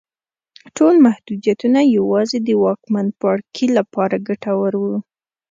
ټول محدودیتونه یوازې د واکمن پاړکي لپاره ګټور وو.